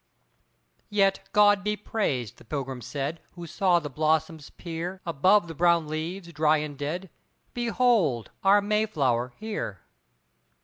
Yet, "God be praised!" the Pilgrim said, Who saw the blossoms peer Above the brown leaves, dry and dead, "Behold our Mayflower here!"